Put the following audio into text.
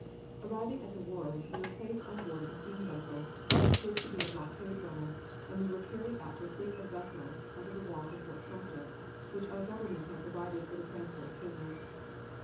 Arriving at the wharves, we were placed on board of a steam vessel, which proved to be a blockade runner, and were carried out to a fleet of vessels under the walls of Fort Sumter, which our government had provided for the transport of prisoners.